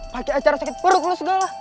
pake acara sakit perut lu segala